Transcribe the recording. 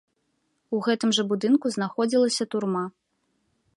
У гэтым жа будынку знаходзілася турма.